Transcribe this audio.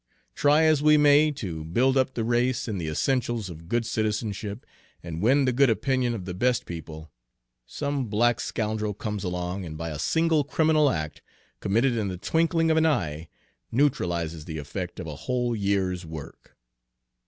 "Try as we may to build up the race in the essentials of good citizenship and win the good opinion of the best people, some black scoundrel comes along, and by a single criminal act, committed in the twinkling of an eye, neutralizes the effect of a whole year's work."